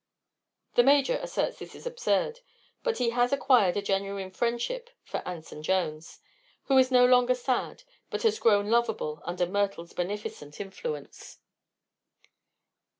The Major asserts this is absurd; but he has acquired a genuine friendship for Anson Jones, who is no longer sad but has grown lovable under Myrtle's beneficent influence.